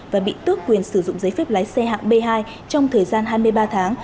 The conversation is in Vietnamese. và bị tước quyền sử dụng giấy phép lái xe hạng b hai trong thời gian hai mươi ba tháng